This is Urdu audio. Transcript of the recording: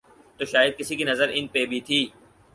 تو شاید کسی کی نظر ان پہ بھی تھی۔